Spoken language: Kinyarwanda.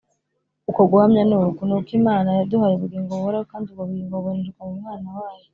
uko guhamya ni uku, ni uko Imana yaduhaye ubugingo buhoraho kandi ubwo bugingo bubonerwa mu Mwana wayo.